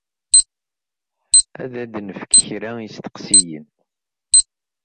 Ad d-nefk kra n yisteqsiyen.